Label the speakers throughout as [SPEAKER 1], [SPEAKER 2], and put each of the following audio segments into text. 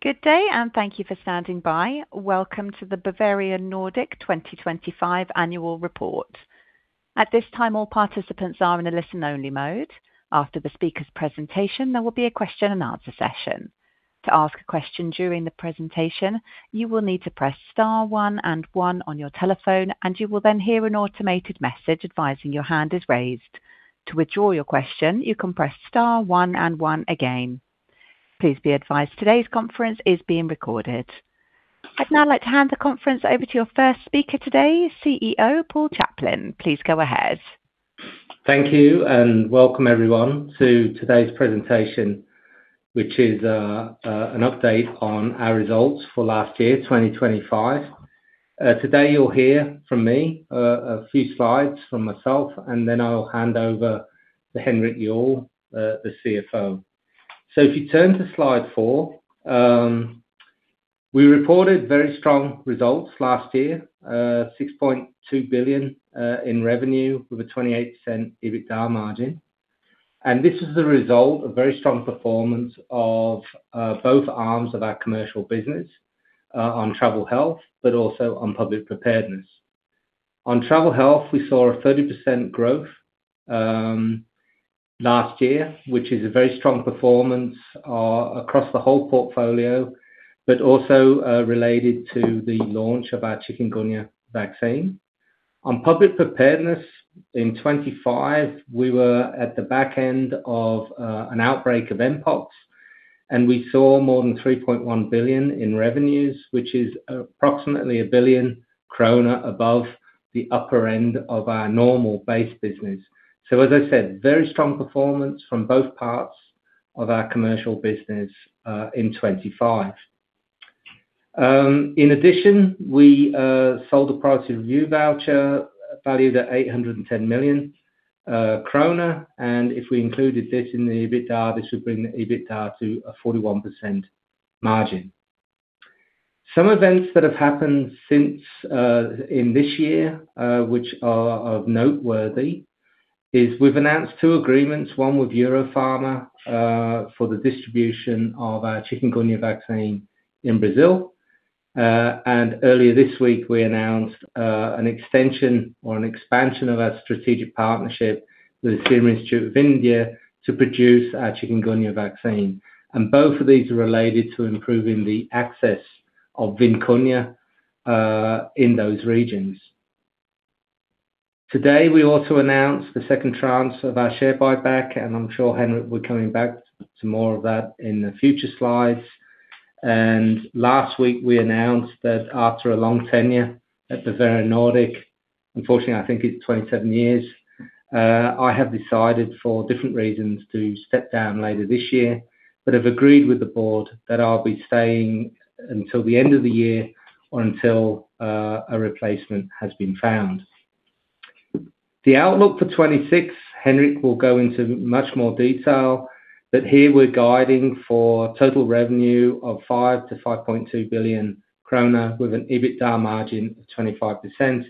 [SPEAKER 1] Good day, and thank you for standing by. Welcome to the Bavarian Nordic 2025 annual report. At this time, all participants are in a listen-only mode. After the speaker's presentation, there will be a question and answer session. To ask a question during the presentation, you will need to press star one and one on your telephone, and you will then hear an automated message advising your hand is raised. To withdraw your question, you can press star one and one again. Please be advised today's conference is being recorded. I'd now like to hand the conference over to your first speaker today, CEO Paul Chaplin. Please go ahead.
[SPEAKER 2] Thank you, and welcome everyone to today's presentation, which is an update on our results for last year, 2025. Today you'll hear from me, a few slides from myself, and then I'll hand over to Henrik Juuel, the CFO. If you turn to slide 4, we reported very strong results last year, 6.2 billion in revenue with a 28% EBITDA margin. This is the result of very strong performance of both arms of our commercial business, on travel health but also on public preparedness. On travel health, we saw a 30% growth last year, which is a very strong performance across the whole portfolio, but also related to the launch of our chikungunya vaccine. On public preparedness in 2025, we were at the back end of an outbreak of mpox, and we saw more than 3.1 billion in revenues, which is approximately 1 billion krone above the upper end of our normal base business. As I said, very strong performance from both parts of our commercial business in 2025. In addition, we sold the priority review voucher valued at 810 million krone, and if we included this in the EBITDA, this would bring the EBITDA to a 41% margin. Some events that have happened since in this year, which are noteworthy, we've announced two agreements, one with Eurofarma, for the distribution of our chikungunya vaccine in Brazil. Earlier this week we announced an extension or an expansion of our strategic partnership with the Serum Institute of India to produce our chikungunya vaccine. Both of these are related to improving the access of VIMKUNYA in those regions. Today, we also announced the second tranche of our share buyback, and I'm sure, Henrik, we're coming back to more of that in the future slides. Last week, we announced that after a long tenure at Bavarian Nordic, unfortunately, I think it's 27 years, I have decided for different reasons to step down later this year. I have agreed with the board that I'll be staying until the end of the year or until a replacement has been found. The outlook for 2026, Henrik will go into much more detail, but here we're guiding for total revenue of 5-5.2 billion kroner with an EBITDA margin of 25%.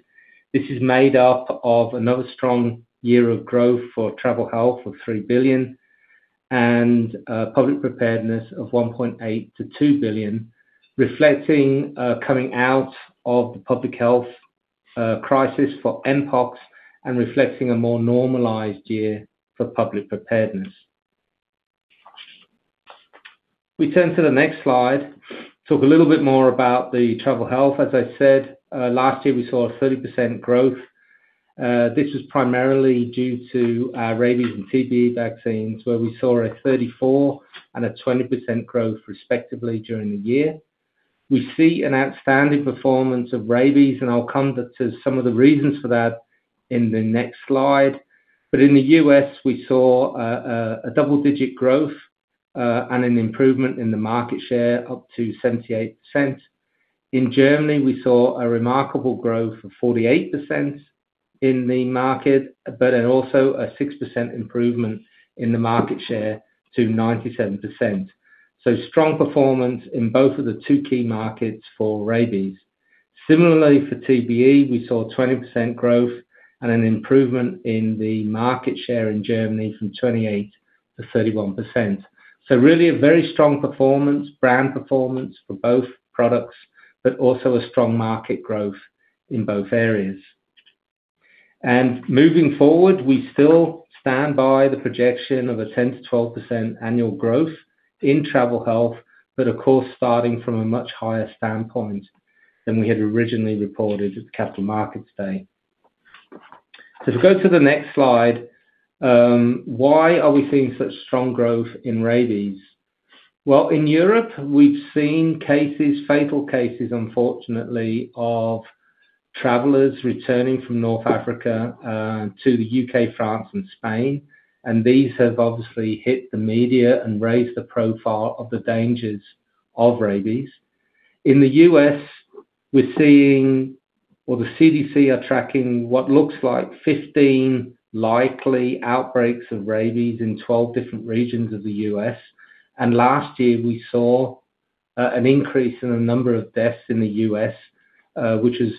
[SPEAKER 2] This is made up of another strong year of growth for travel health of 3 billion and public preparedness of 1.8-2 billion, reflecting coming out of the public health crisis for mpox and reflecting a more normalized year for public preparedness. We turn to the next slide. Talk a little bit more about the travel health. As I said, last year we saw 30% growth. This was primarily due to our rabies and TBE vaccines, where we saw 34% and 20% growth, respectively, during the year. We see an outstanding performance of rabies, and I'll come to some of the reasons for that in the next slide. In the US, we saw a double-digit growth and an improvement in the market share up to 78%. In Germany, we saw a remarkable growth of 48% in the market, but then also a 6% improvement in the market share to 97%. Strong performance in both of the two key markets for rabies. Similarly, for TBE, we saw 20% growth and an improvement in the market share in Germany from 28% to 31%. Really a very strong performance, brand performance for both products, but also a strong market growth in both areas. Moving forward, we still stand by the projection of a 10%-12% annual growth in travel health, but of course, starting from a much higher standpoint than we had originally reported at the Capital Markets Day. If we go to the next slide, why are we seeing such strong growth in rabies? Well, in Europe, we've seen cases, fatal cases, unfortunately, of travelers returning from North Africa to the UK, France and Spain, and these have obviously hit the media and raised the profile of the dangers of rabies. In the US, we're seeing or the CDC are tracking what looks like 15 likely outbreaks of rabies in 12 different regions of the US. Last year we saw an increase in the number of deaths in the U.S., which is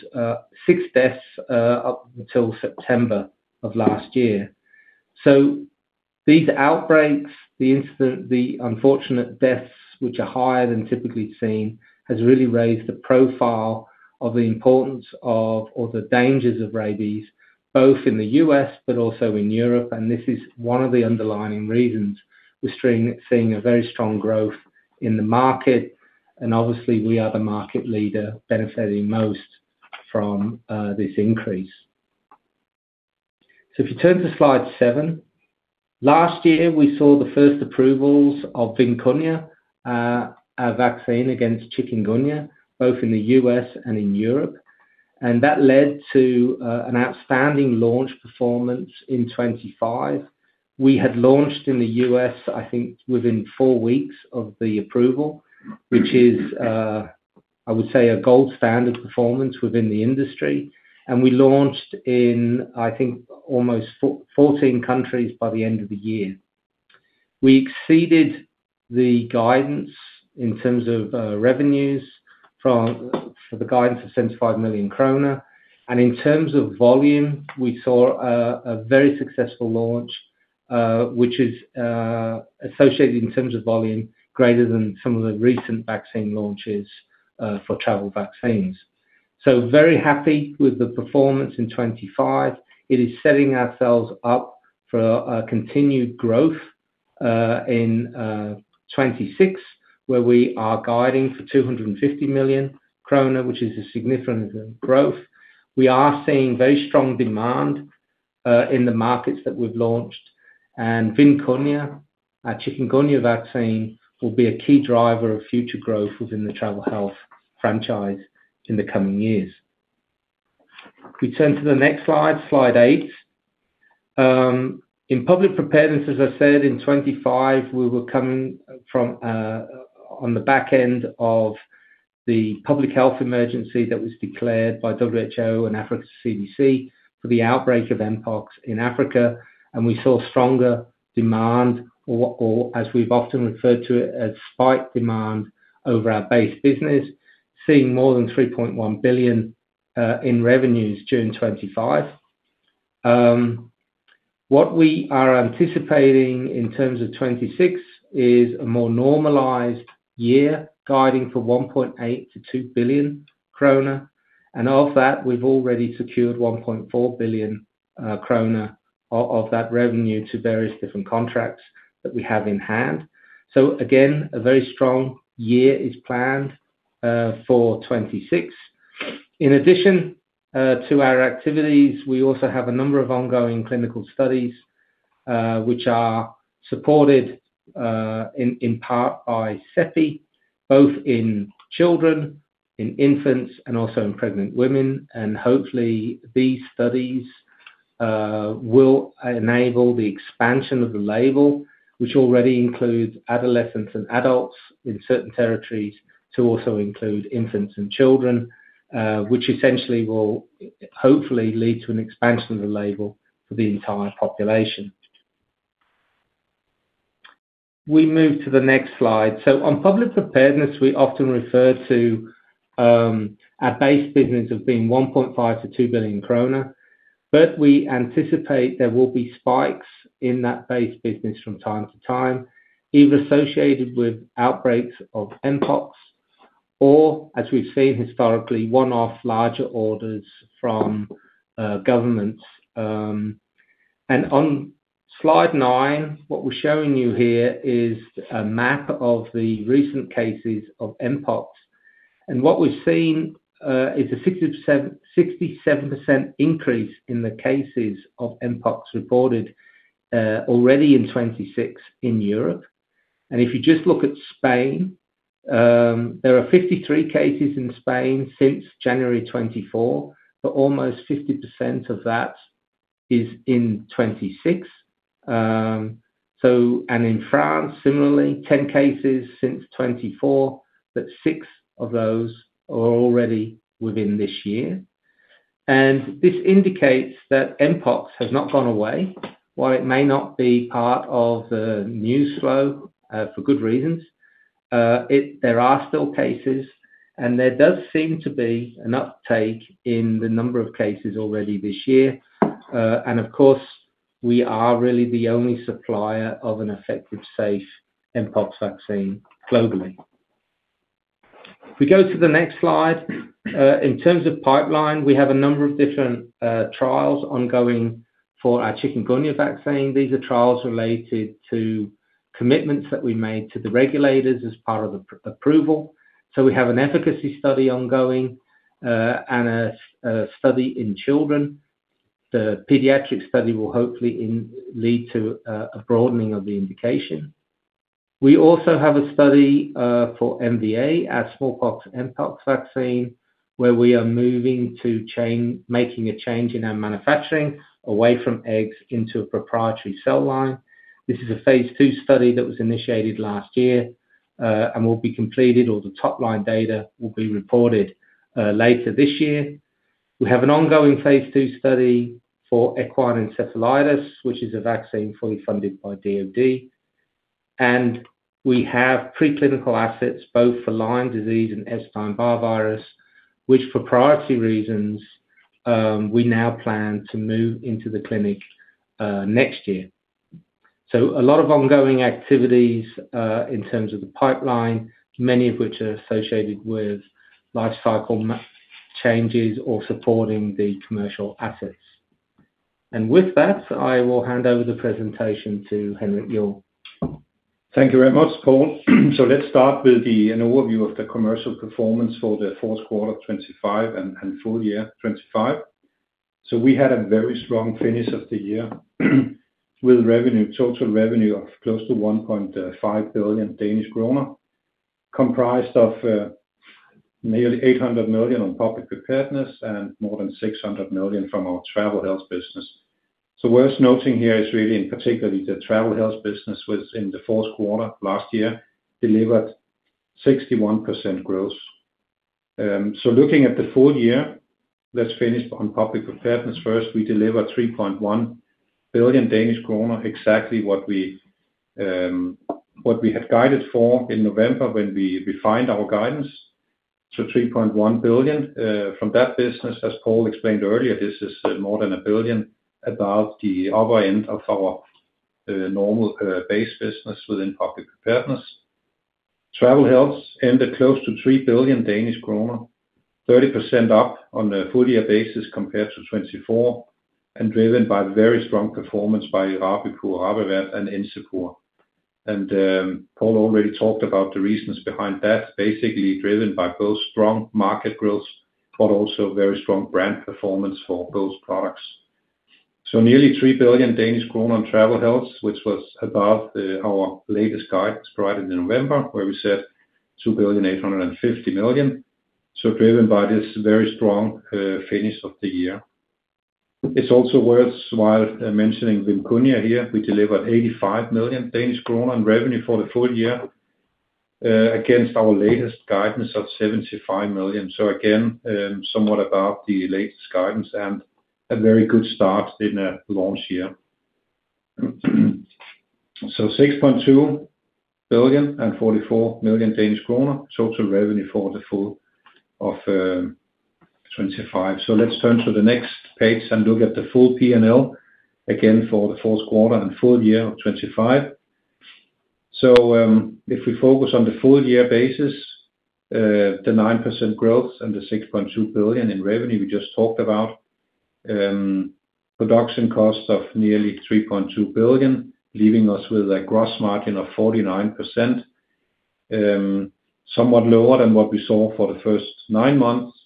[SPEAKER 2] six deaths, up until September of last year. These outbreaks, the incident, the unfortunate deaths, which are higher than typically seen, has really raised the profile of the importance of, or the dangers of rabies, both in the U.S. but also in Europe. This is one of the underlying reasons we're seeing a very strong growth in the market. Obviously we are the market leader benefiting most from this increase. If you turn to slide seven. Last year we saw the first approvals of VIMKUNYA, a vaccine against chikungunya, both in the U.S. and in Europe. That led to an outstanding launch performance in 2025. We had launched in the U.S., I think within four weeks of the approval, which is, I would say a gold standard performance within the industry. We launched in, I think, almost 14 countries by the end of the year. We exceeded the guidance in terms of, revenues for the guidance of 75 million kroner. In terms of volume, we saw, a very successful launch, which is, associated in terms of volume greater than some of the recent vaccine launches, for travel vaccines. Very happy with the performance in 2025. It is setting ourselves up for, continued growth, in, 2026, where we are guiding for 250 million kroner, which is a significant growth. We are seeing very strong demand, in the markets that we've launched. VIMKUNYA, our chikungunya vaccine, will be a key driver of future growth within the travel health franchise in the coming years. If we turn to the next slide eight. In public preparedness, as I said, in 2025, we were coming from on the back end of the public health emergency that was declared by WHO and Africa CDC for the outbreak of mpox in Africa. We saw stronger demand or as we've often referred to it, a spike demand over our base business, seeing more than 3.1 billion in revenues during 2025. What we are anticipating in terms of 2026 is a more normalized year, guiding for 1.8 billion-2 billion krone. Of that, we've already secured 1.4 billion krone of that revenue to various different contracts that we have in hand. Again, a very strong year is planned for 2026. In addition, to our activities, we also have a number of ongoing clinical studies, which are supported in part by CEPI, both in children, in infants, and also in pregnant women. Hopefully these studies will enable the expansion of the label, which already includes adolescents and adults in certain territories, to also include infants and children, which essentially will hopefully lead to an expansion of the label for the entire population. We move to the next slide. On public preparedness, we often refer to our base business of being 1.5 billion-2 billion krone, but we anticipate there will be spikes in that base business from time to time, either associated with outbreaks of mpox or as we've seen historically, one-off larger orders from governments. On slide nine, what we're showing you here is a map of the recent cases of mpox. What we've seen is a 67% increase in the cases of mpox reported already in 2026 in Europe. If you just look at Spain, there are 53 cases in Spain since January 2024, but almost 50% of that is in 2026. In France, similarly, 10 cases since 2024, but 6 of those are already within this year. This indicates that mpox has not gone away. While it may not be part of the news flow for good reasons, there are still cases and there does seem to be an uptake in the number of cases already this year. Of course, we are really the only supplier of an effective, safe mpox vaccine globally. If we go to the next slide. In terms of pipeline, we have a number of different trials ongoing for our chikungunya vaccine. These are trials related to commitments that we made to the regulators as part of the pre-approval. We have an efficacy study ongoing and a study in children. The pediatric study will hopefully lead to a broadening of the indication. We also have a study for MVA, our smallpox mpox vaccine, where we are making a change in our manufacturing away from eggs into a proprietary cell line. This is a phase 2 study that was initiated last year and will be completed or the top line data will be reported later this year. We have an ongoing phase two study for equine encephalitis, which is a vaccine fully funded by DOD. We have pre-clinical assets both for Lyme disease and Epstein-Barr virus, which for priority reasons, we now plan to move into the clinic, next year. A lot of ongoing activities, in terms of the pipeline, many of which are associated with life cycle changes or supporting the commercial assets. With that, I will hand over the presentation to Henrik Juuel.
[SPEAKER 3] Thank you very much, Paul. Let's start with an overview of the commercial performance for the fourth quarter of 2025 and full year 2025. We had a very strong finish of the year with revenue, total revenue of close to 1.5 billion Danish kroner, comprised of nearly 800 million on public preparedness and more than 600 million from our travel health business. Worth noting here is really in particularly the travel health business was in the fourth quarter last year delivered 61% growth. Looking at the full year, let's finish on public preparedness first. We delivered 3.1 billion Danish kroner, exactly what we had guided for in November when we refined our guidance to 3.1 billion from that business. As Paul explained earlier, this is more than 1 billion above the upper end of our normal base business within public preparedness. Travel health ended close to 3 billion Danish kroner, 30% up on a full year basis compared to 2024, and driven by very strong performance by Rabipur, Ravivab, and Encepur. Paul already talked about the reasons behind that, basically driven by both strong market growth, but also very strong brand performance for both products. Nearly 3 billion Danish kroner on travel health, which was above our latest guidance provided in November, where we said 2.85 billion. Driven by this very strong finish of the year. It's also worthwhile mentioning VIMKUNYA here. We delivered 85 million Danish kroner in revenue for the full year against our latest guidance of 75 million. Again, somewhat above the latest guidance and a very good start in a launch year. 6.2 billion and 44 million Danish kroner, total revenue for the full year of 2025. Let's turn to the next page and look at the full P&L, again for the fourth quarter and full year of 2025. If we focus on the full year basis, the 9% growth and the 6.2 billion in revenue we just talked about. Production costs of nearly 3.2 billion, leaving us with a gross margin of 49%. Somewhat lower than what we saw for the first nine months,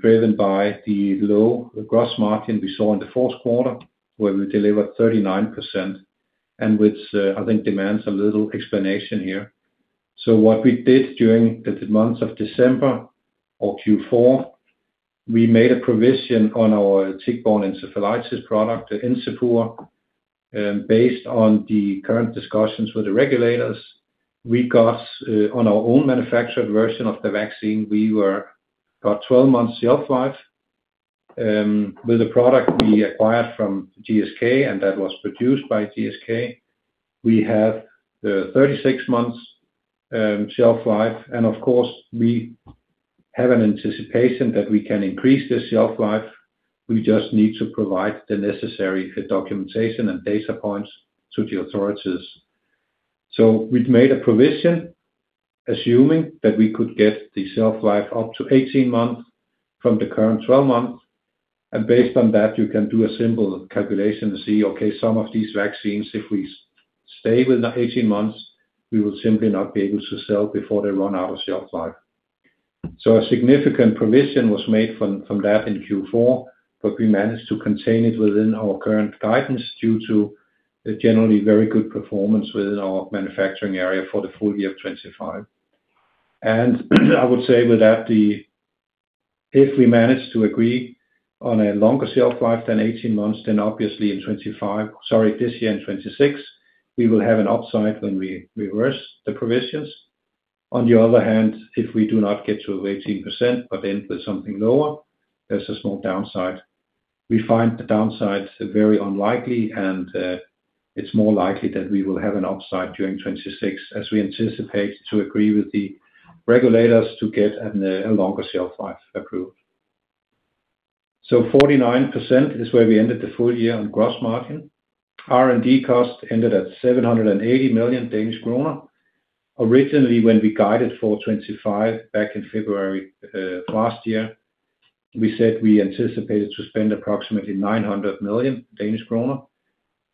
[SPEAKER 3] driven by the low gross margin we saw in the fourth quarter, where we delivered 39%, and which I think demands a little explanation here. What we did during the month of December or Q4, we made a provision on our tick-borne encephalitis product, Encepur. Based on the current discussions with the regulators, we got, on our own manufactured version of the vaccine, we were about 12 months shelf life. With the product we acquired from GSK, and that was produced by GSK, we have, 36 months, shelf life. Of course, we have an anticipation that we can increase the shelf life. We just need to provide the necessary documentation and data points to the authorities. We've made a provision assuming that we could get the shelf life up to 18 months from the current 12 months. Based on that, you can do a simple calculation to see, okay, some of these vaccines, if we stay with 18 months, we will simply not be able to sell before they run out of shelf life. A significant provision was made from that in Q4, but we managed to contain it within our current guidance due to a generally very good performance within our manufacturing area for the full year of 2025. I would say with that, the. If we manage to agree on a longer shelf life than 18 months, then obviously in 2025, sorry, this year in 2026, we will have an upside when we reverse the provisions. On the other hand, if we do not get to 18%, but end with something lower, there's a small downside. We find the downside very unlikely, and it's more likely that we will have an upside during 2026 as we anticipate to agree with the regulators to get a longer shelf life approved. 49% is where we ended the full year on gross margin. R&D costs ended at 780 million Danish kroner. Originally, when we guided for 2025 back in February last year, we said we anticipated to spend approximately 900 million Danish kroner.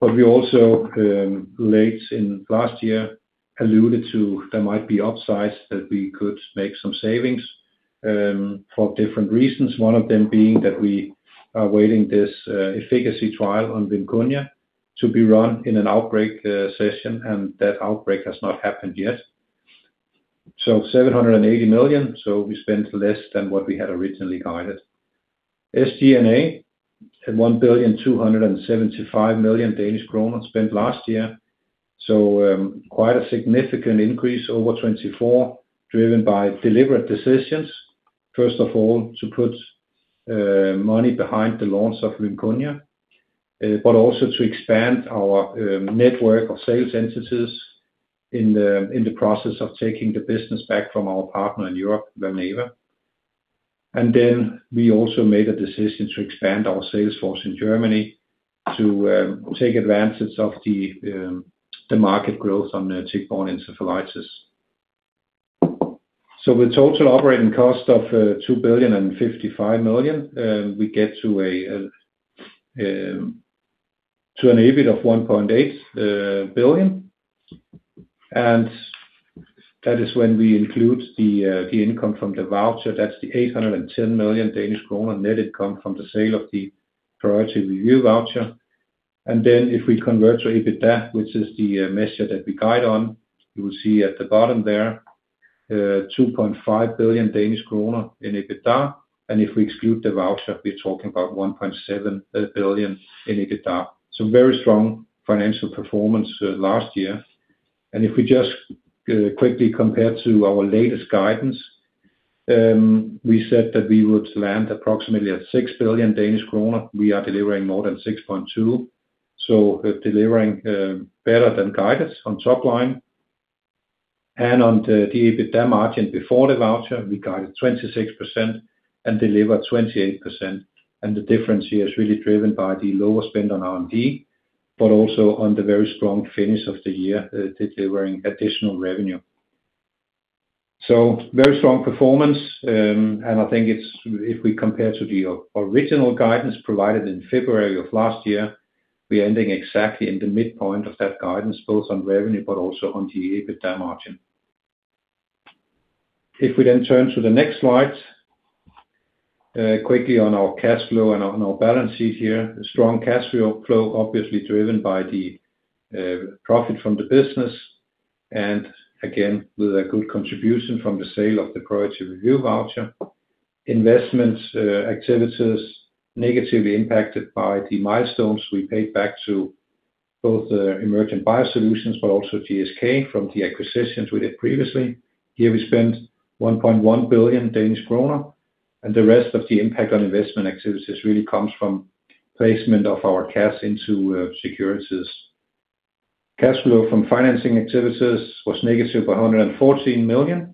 [SPEAKER 3] But we also late in last year alluded to there might be upsides that we could make some savings for different reasons. One of them being that we are awaiting this efficacy trial on VIMKUNYA to be run in an outbreak setting, and that outbreak has not happened yet. 780 million, we spent less than what we had originally guided. SG&A at 1.275 billion Danish kroner spent last year. Quite a significant increase over 2024, driven by deliberate decisions. First of all, to put money behind the launch of Rinconia, but also to expand our network of sales entities in the process of taking the business back from our partner in Europe, Valneva. We also made a decision to expand our sales force in Germany to take advantage of the market growth on the tick-borne encephalitis. With total operating cost of 2.055 billion, we get to an EBIT of 1.8 billion. That is when we include the income from the voucher, that's the 810 million Danish kroner net income from the sale of the priority review voucher. Then if we convert to EBITDA, which is the measure that we guide on, you will see at the bottom there, two point five billion Danish kroner in EBITDA. If we exclude the voucher, we're talking about 1.7 billion in EBITDA. Very strong financial performance last year. If we just quickly compare to our latest guidance, we said that we would land approximately at 6 billion Danish kroner. We are delivering more than 6.2 billion. Delivering better than guidance on top line. On the EBITDA margin before the voucher, we guided 26% and delivered 28%. The difference here is really driven by the lower spend on R&D, but also on the very strong finish of the year, delivering additional revenue. Very strong performance, and I think it's, if we compare to the original guidance provided in February of last year, we're ending exactly in the midpoint of that guidance, both on revenue, but also on the EBITDA margin. If we then turn to the next slide, quickly on our cash flow and on our balance sheet here. A strong cash flow obviously driven by the profit from the business, and again, with a good contribution from the sale of the priority review voucher. Investing activities negatively impacted by the milestones we paid back to both Emergent BioSolutions, but also GSK from the acquisitions we did previously. Here we spent 1.1 billion Danish kroner, and the rest of the impact on investment activities really comes from placement of our cash into securities. Cash flow from financing activities was negative 114 million,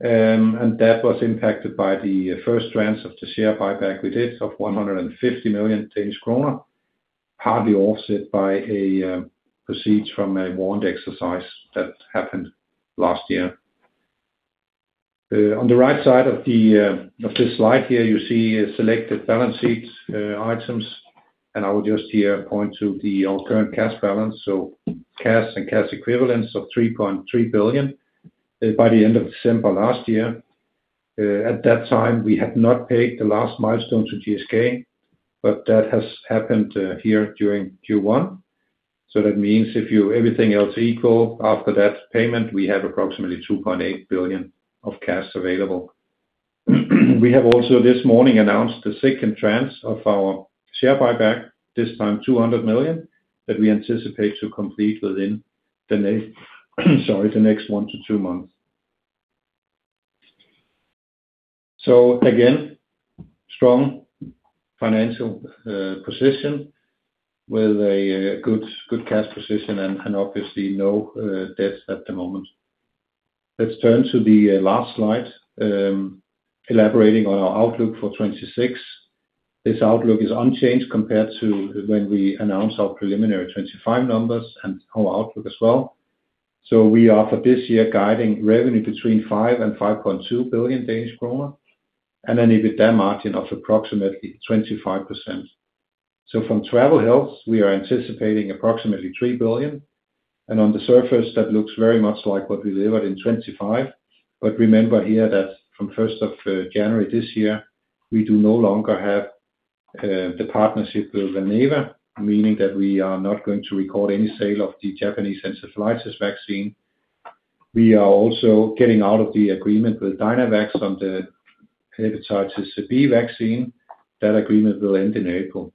[SPEAKER 3] and that was impacted by the first tranche of the share buyback we did of 150 million Danish kroner, hardly offset by proceeds from a warrant exercise that happened last year. On the right side of this slide here, you see selected balance sheet items. I will just here point to the current cash balance, so cash and cash equivalents of 3.3 billion by the end of December last year. At that time, we had not paid the last milestone to GSK, but that has happened here during Q1. That means if you everything else equal after that payment, we have approximately 2.8 billion of cash available. We have also this morning announced the second tranche of our share buyback, this time 200 million, that we anticipate to complete within the next 1-2 months. Again, strong financial position with a good cash position and obviously no debts at the moment. Let's turn to the last slide elaborating on our outlook for 2026. This outlook is unchanged compared to when we announced our preliminary 2025 numbers and our outlook as well. We are for this year guiding revenue between 5 billion and 5.2 billion Danish kroner and an EBITDA margin of approximately 25%. From Travel Health, we are anticipating approximately 3 billion, and on the surface that looks very much like what we delivered in 2025. Remember here that from the first of January this year, we no longer have the partnership with Valneva, meaning that we are not going to record any sale of the Japanese encephalitis vaccine. We are also getting out of the agreement with Dynavax on the hepatitis B vaccine. That agreement will end in April.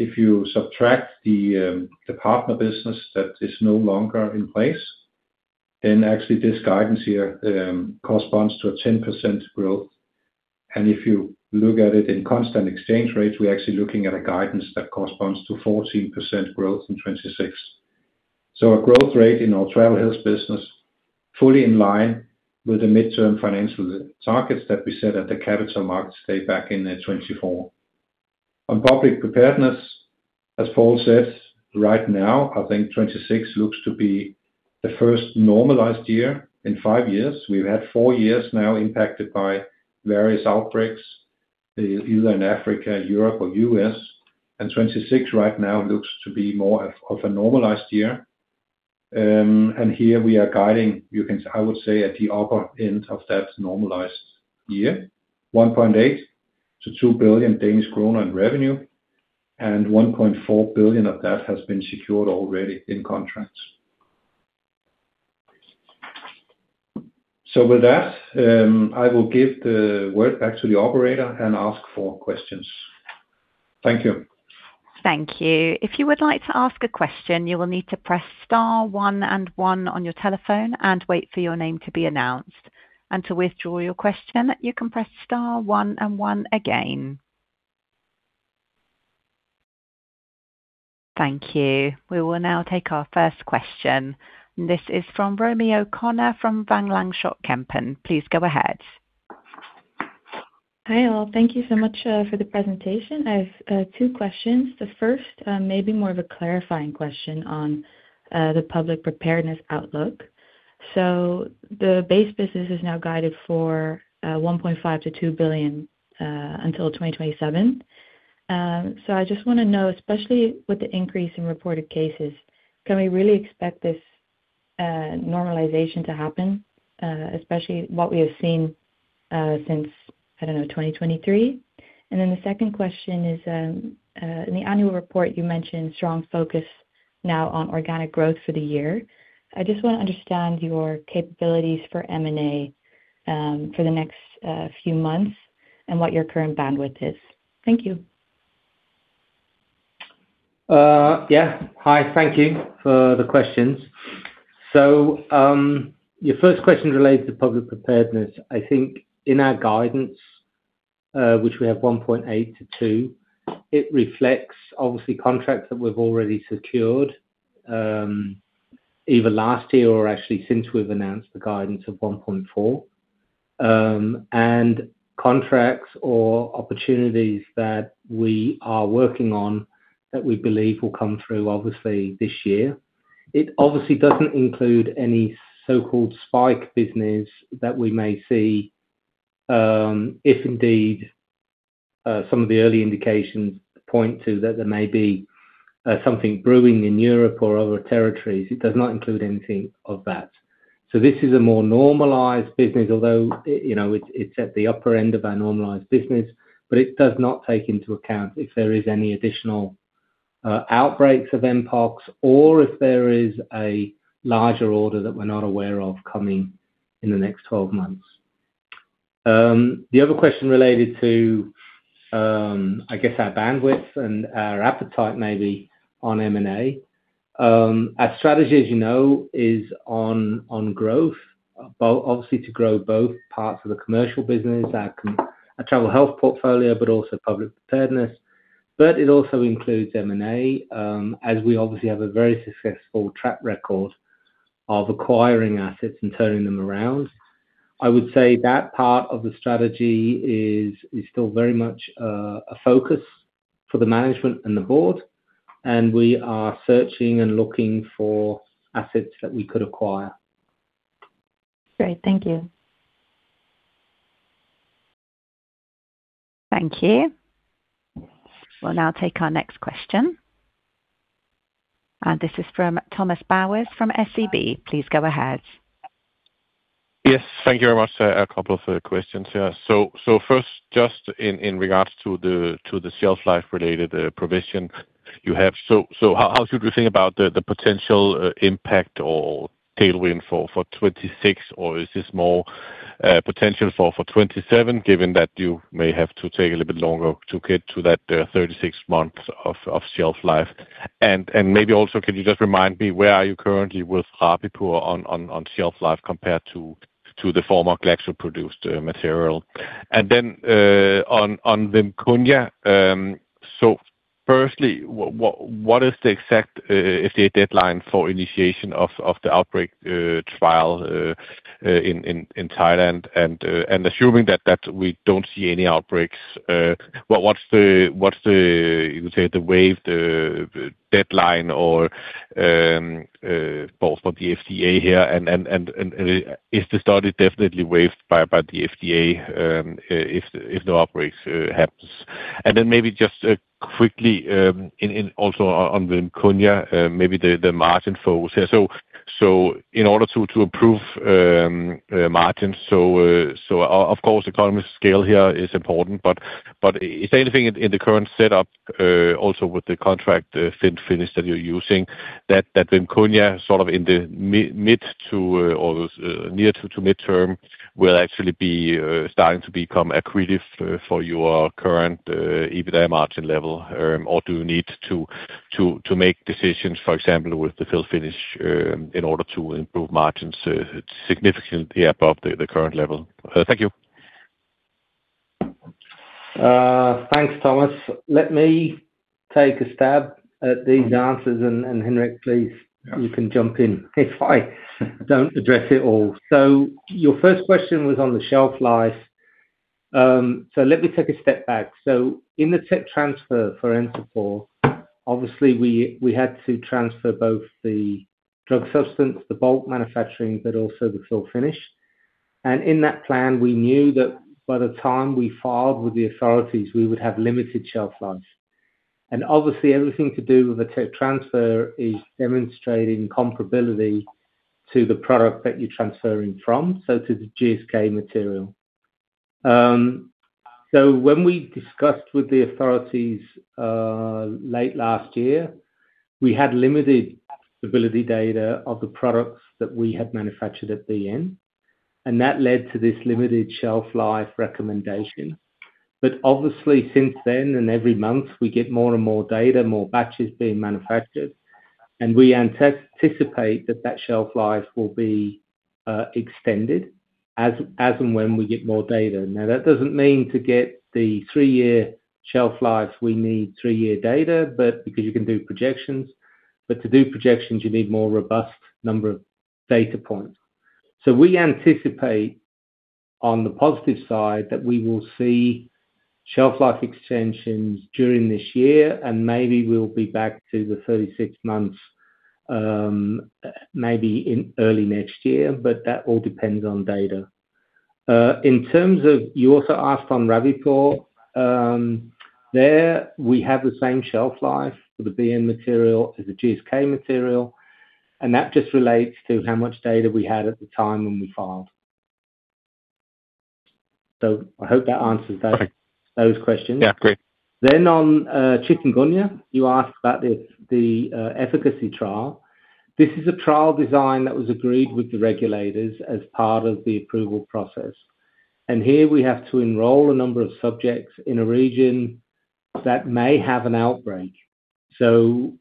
[SPEAKER 3] If you subtract the partner business that is no longer in place, then actually this guidance here corresponds to a 10% growth. If you look at it in constant exchange rates, we're actually looking at a guidance that corresponds to 14% growth in 2026. A growth rate in our Travel Health business fully in line with the midterm financial targets that we set at the Capital Markets Day back in 2024. On Public Preparedness, as Paul said, right now, I think 2026 looks to be the first normalized year in five years. We've had four years now impacted by various outbreaks, either in Africa, Europe, or U.S. 2026 right now looks to be more of a normalized year. Here we are guiding, you can, I would say, at the upper end of that normalized year, 1.8 billion-2 billion Danish kroner in revenue, and 1.4 billion of that has been secured already in contracts. With that, I will give the word back to the operator and ask for questions.
[SPEAKER 2] Thank you.
[SPEAKER 1] Thank you. If you would like to ask a question, you will need to press star one and one on your telephone and wait for your name to be announced. To withdraw your question, you can press star one and one again. Thank you. We will now take our first question. This is from Romy O'Connor from Van Lanschot Kempen. Please go ahead.
[SPEAKER 4] Hi, all. Thank you so much for the presentation. I have two questions. The first may be more of a clarifying question on the public preparedness outlook. The base business is now guided for 1.5 billion-2 billion until 2027. I just wanna know, especially with the increase in reported cases, can we really expect this normalization to happen, especially what we have seen since, I don't know, 2023? The second question is, in the annual report you mentioned strong focus now on organic growth for the year. I just wanna understand your capabilities for M&A for the next few months and what your current bandwidth is. Thank you.
[SPEAKER 2] Yeah. Hi. Thank you for the questions. Your first question relates to public preparedness. I think in our guidance, which we have 1.8-2, it reflects obviously contracts that we've already secured, either last year or actually since we've announced the guidance of 1.4. Contracts or opportunities that we are working on that we believe will come through obviously this year. It obviously doesn't include any so-called spike business that we may see, if indeed, some of the early indications point to that there may be, something brewing in Europe or other territories. It does not include anything of that. This is a more normalized business, although you know, it's at the upper end of our normalized business, but it does not take into account if there is any additional outbreaks of mpox or if there is a larger order that we're not aware of coming in the next 12 months. The other question related to, I guess our bandwidth and our appetite maybe on M&A. Our strategy, as you know, is on growth, obviously to grow both parts of the commercial business, our travel health portfolio, but also public preparedness. It also includes M&A, as we obviously have a very successful track record of acquiring assets and turning them around. I would say that part of the strategy is still very much a focus for the management and the board, and we are searching and looking for assets that we could acquire.
[SPEAKER 4] Great. Thank you.
[SPEAKER 1] Thank you. We'll now take our next question. This is from Thomas Bowers from SEB. Please go ahead.
[SPEAKER 5] Yes. Thank you very much. A couple of questions here. First, just in regards to the shelf life related provision you have. How should we think about the potential impact or tailwind for 2026? Or is this more potential for 2027, given that you may have to take a little bit longer to get to that 36 months of shelf life? And maybe also can you just remind me where are you currently with Rabipur on shelf life compared to the former Glaxo-produced material? And then on VIMKUNYA, firstly, what is the exact FDA deadline for initiation of the outbreak trial in Thailand? Assuming that we don't see any outbreaks, what's the—you can say the waiver deadline or both for the FDA here and if the study definitely waived by the FDA, if no outbreaks happens. Then maybe just quickly and also on VIMKUNYA, maybe the margin for us here. In order to improve margins, of course economies of scale here is important, but is anything in the current setup also with the contract fill finish that you're using that VIMKUNYA sort of in the mid- to near-term will actually be starting to become accretive for your current EBITDA margin level? Do you need to make decisions, for example, with the fill finish, in order to improve margins significantly above the current level? Thank you.
[SPEAKER 2] Thanks, Thomas. Let me take a stab at these answers and Henrik please.
[SPEAKER 5] Yeah.
[SPEAKER 2] You can jump in if I don't address it all. Your first question was on the shelf life. Let me take a step back. In the tech transfer for Encepur, obviously we had to transfer both the drug substance, the bulk manufacturing, but also the fill finish. In that plan we knew that by the time we filed with the authorities we would have limited shelf life. Obviously everything to do with the tech transfer is demonstrating comparability to the product that you're transferring from, so to the GSK material. When we discussed with the authorities, late last year, we had limited stability data of the products that we had manufactured at the end. That led to this limited shelf life recommendation. Obviously since then, and every month, we get more and more data, more batches being manufactured, and we anticipate that shelf life will be extended as and when we get more data. That doesn't mean to get the three-year shelf life, we need three-year data, but because you can do projections. To do projections, you need more robust number of data points. We anticipate on the positive side that we will see shelf life extensions during this year, and maybe we'll be back to the 36 months, maybe in early next year. That all depends on data. In terms of you also asked on Rabipur. There we have the same shelf life for the BN material as the GSK material, and that just relates to how much data we had at the time when we filed. I hope that answers that.
[SPEAKER 5] Okay.
[SPEAKER 2] Those questions.
[SPEAKER 5] Yeah. Great.
[SPEAKER 2] On Chikungunya, you asked about the efficacy trial. This is a trial design that was agreed with the regulators as part of the approval process. Here we have to enroll a number of subjects in a region that may have an outbreak. It's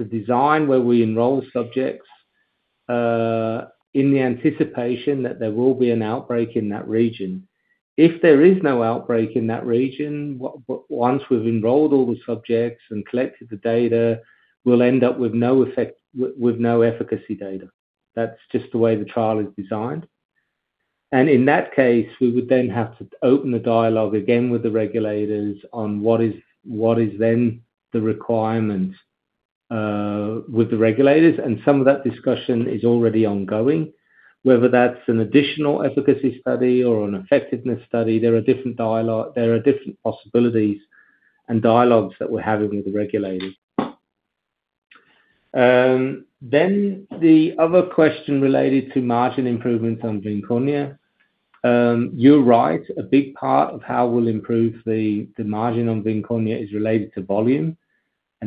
[SPEAKER 2] a design where we enroll subjects in the anticipation that there will be an outbreak in that region. If there is no outbreak in that region, once we've enrolled all the subjects and collected the data, we'll end up with no effect with no efficacy data. That's just the way the trial is designed. In that case, we would then have to open the dialogue again with the regulators on what is then the requirement with the regulators. Some of that discussion is already ongoing. Whether that's an additional efficacy study or an effectiveness study, there are different dialog, there are different possibilities and dialogs that we're having with the regulators. The other question related to margin improvements on Vequonia. You're right. A big part of how we'll improve the margin on Vequonia is related to volume.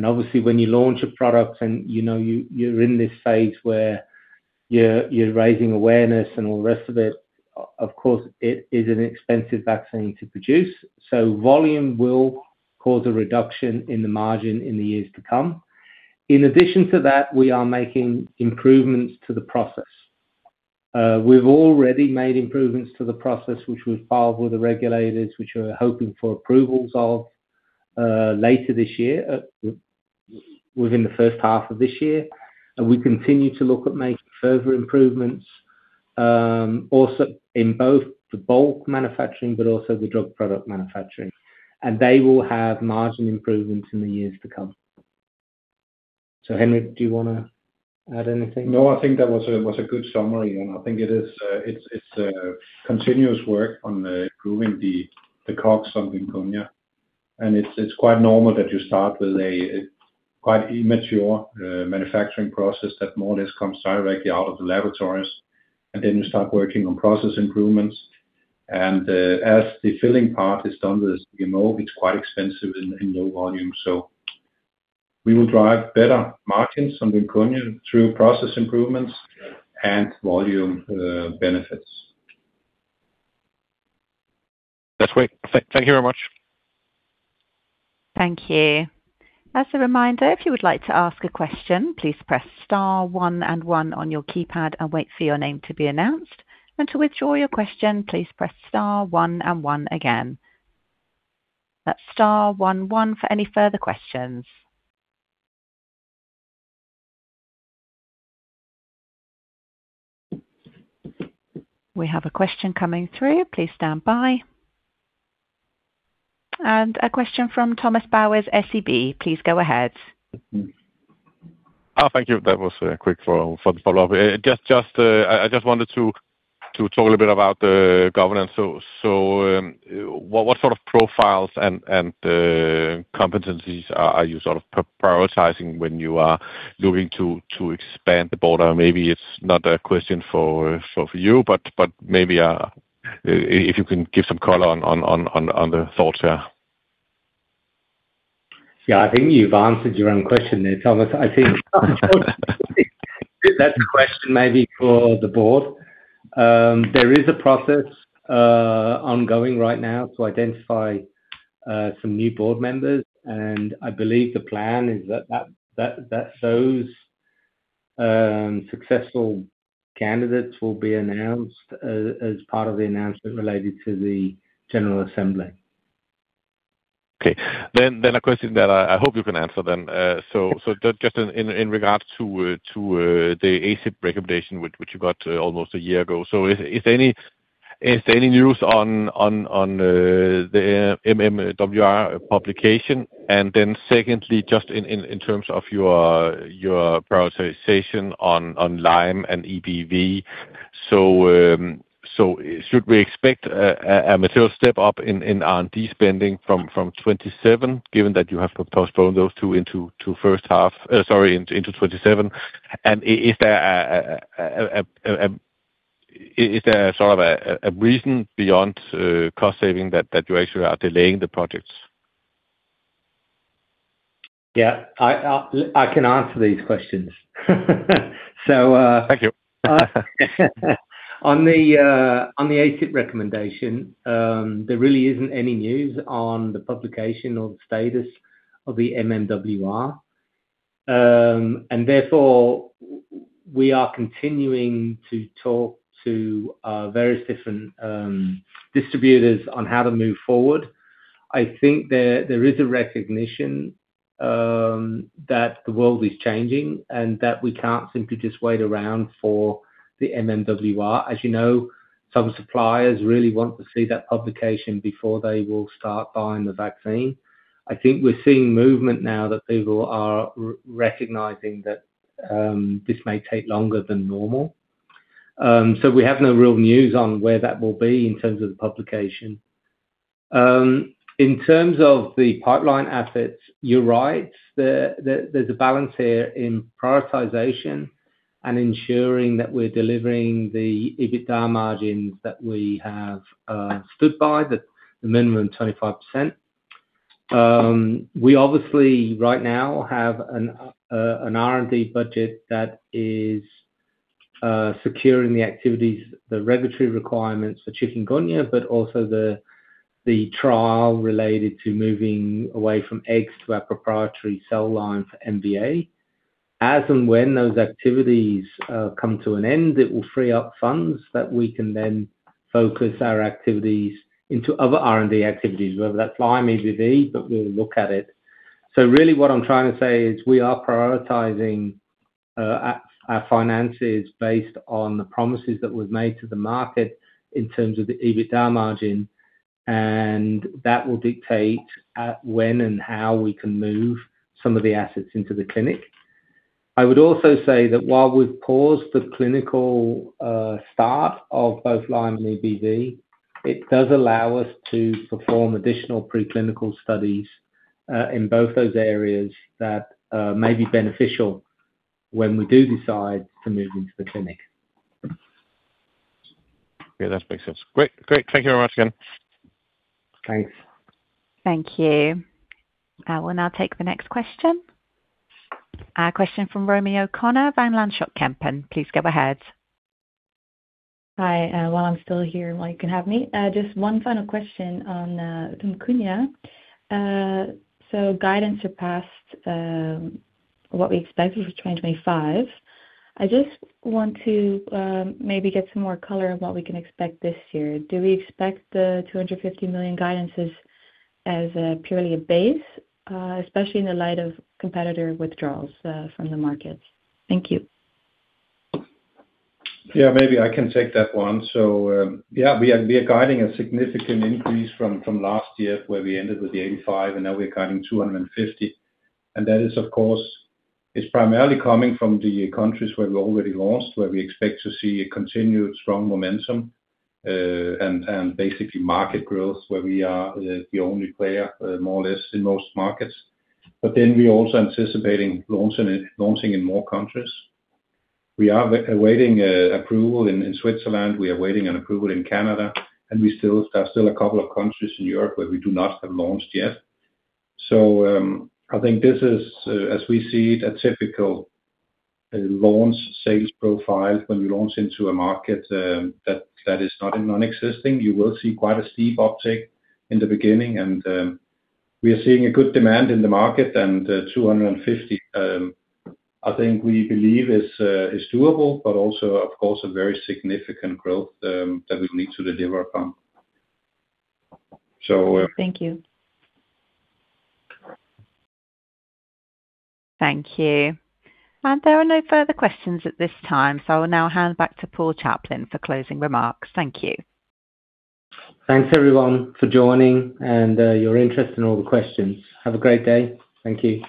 [SPEAKER 2] Obviously, when you launch a product and you know, you're in this phase where you're raising awareness and all the rest of it, of course, it is an expensive vaccine to produce. Volume will cause a reduction in the margin in the years to come. In addition to that, we are making improvements to the process. We've already made improvements to the process which we filed with the regulators, which we're hoping for approvals of, later this year, within the first half of this year. We continue to look at making further improvements, also in both the bulk manufacturing but also the drug product manufacturing. They will have margin improvements in the years to come. Henrik, do you wanna add anything?
[SPEAKER 3] No, I think that was a good summary. I think it is. It's a continuous work on improving the COGS on JYNNEOS. It's quite normal that you start with a quite immature manufacturing process that more or less comes directly out of the laboratories. As the filling part is done with CMO, it's quite expensive in low volume. We will drive better margins on JYNNEOS through process improvements and volume benefits.
[SPEAKER 5] That's great. Thank you very much.
[SPEAKER 1] Thank you. As a reminder, if you would like to ask a question, please press star one and one on your keypad and wait for your name to be announced. To withdraw your question, please press star one and one again. That's star one one for any further questions. We have a question coming through. Please stand by. A question from Thomas Bowers, SEB. Please go ahead.
[SPEAKER 5] Oh, thank you. That was quick for the follow-up. Just, I just wanted to talk a little bit about the governance. What sort of profiles and competencies are you sort of prioritizing when you are looking to expand the board? Maybe it's not a question for you, but maybe if you can give some color on the thoughts here.
[SPEAKER 2] Yeah. I think you've answered your own question there, Thomas. I think that's a question maybe for the board. There is a process ongoing right now to identify some new board members, and I believe the plan is that those successful candidates will be announced as part of the announcement related to the general assembly.
[SPEAKER 5] Okay. A question that I hope you can answer. Just in regard to the ACIP recommendation which you got almost a year ago. Is there any news on the MMWR publication? Secondly, just in terms of your prioritization on Lyme and EBV. Should we expect a material step up in R&D spending from 2027, given that you have postponed those two into first half into 2027? Is there sort of a reason beyond cost saving that you actually are delaying the projects?
[SPEAKER 2] Yeah, I can answer these questions.
[SPEAKER 5] Thank you.
[SPEAKER 2] On the ACIP recommendation, there really isn't any news on the publication or the status of the MMWR. Therefore we are continuing to talk to various different distributors on how to move forward. I think there is a recognition that the world is changing and that we can't simply just wait around for the MMWR. As you know, some suppliers really want to see that publication before they will start buying the vaccine. I think we're seeing movement now that people are recognizing that this may take longer than normal. We have no real news on where that will be in terms of the publication. In terms of the pipeline assets, you're right. There's a balance here in prioritization and ensuring that we're delivering the EBITDA margins that we have stood by, the minimum 25%. We obviously right now have an R&D budget that is securing the activities, the regulatory requirements for chikungunya, but also the trial related to moving away from eggs to our proprietary cell line for MVA-BN. As and when those activities come to an end, it will free up funds that we can then focus our activities into other R&D activities, whether that's Lyme or EBV, but we'll look at it. Really what I'm trying to say is we are prioritizing our finances based on the promises that we've made to the market in terms of the EBITDA margin, and that will dictate when and how we can move some of the assets into the clinic. I would also say that while we've paused the clinical start of both Lyme and EBV, it does allow us to perform additional preclinical studies in both those areas that may be beneficial when we do decide to move into the clinic.
[SPEAKER 5] Yeah, that makes sense. Great. Thank you very much again.
[SPEAKER 2] Thanks.
[SPEAKER 1] Thank you. I will now take the next question. A question from Romy O'Connor, Van Lanschot Kempen. Please go ahead.
[SPEAKER 4] Hi. While I'm still here, while you can have me, just one final question on Chikungunya. Guidance surpassed what we expected for 2025. I just want to maybe get some more color of what we can expect this year. Do we expect the 250 million guidances as a purely a base, especially in the light of competitor withdrawals from the markets? Thank you.
[SPEAKER 3] Yeah, maybe I can take that one. We are guiding a significant increase from last year where we ended with the 85 and now we're guiding 250. That is of course, it's primarily coming from the countries where we already launched, where we expect to see a continued strong momentum, and basically market growth where we are the only player, more or less in most markets. Then we're also anticipating launching in more countries. We are awaiting approval in Switzerland. We are awaiting an approval in Canada, and there are still a couple of countries in Europe where we do not have launched yet. I think this is, as we see it, a typical launch sales profile. When you launch into a market that is not a non-existent, you will see quite a steep uptake in the beginning. We are seeing a good demand in the market and 250, I think we believe is doable, but also of course a very significant growth that we'll need to deliver upon.
[SPEAKER 4] Thank you.
[SPEAKER 1] Thank you. There are no further questions at this time, so I will now hand back to Paul Chaplin for closing remarks. Thank you.
[SPEAKER 2] Thanks everyone for joining and your interest and all the questions. Have a great day. Thank you.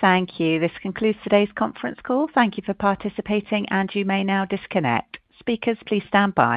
[SPEAKER 1] Thank you. This concludes today's conference call. Thank you for participating, and you may now disconnect. Speakers, please stand by.